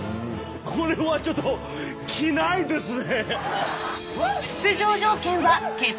「これはちょっと着ないですね」